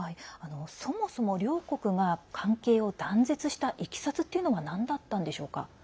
そもそも両国が関係を断絶した、いきさつはなんだったんでしょうか？